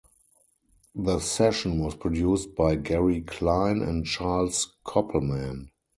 The session was produced by Gary Klein and Charles Koppelman.